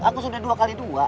aku sudah dua kali dua